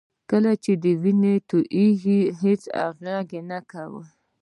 کله چې وینه تویېږي هېڅ غږ نه کوي